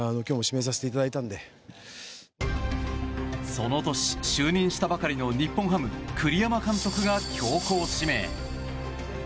その年、就任したばかりの日本ハム、栗山英樹が強行指名。